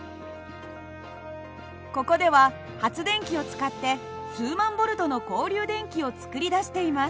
ここでは発電機を使って数万Ｖの交流電気を作り出しています。